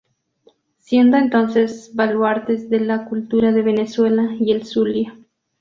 Siendo entonces baluartes de la cultura de Venezuela y el Zulia.